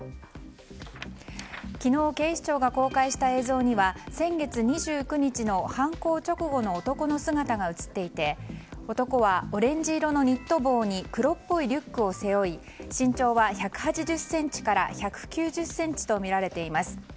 昨日、警視庁が公開した映像には先月２９日の犯行直後の男の姿が映っていて男はオレンジ色のニット帽に黒っぽいリュックを背負い身長は１８０ｃｍから１９０ｃｍとみられています。